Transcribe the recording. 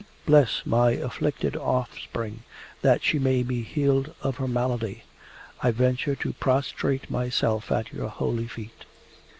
Bless my afflicted offspring that she may be healed of her malady. I venture to prostrate myself at your holy feet.